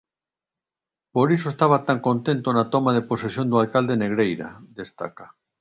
Por iso estaba tan contento na toma de posesión do alcalde Negreira, destaca.